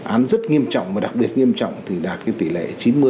án rất nghiêm trọng và đặc biệt nghiêm trọng thì đạt tỷ lệ chín mươi hai mươi sáu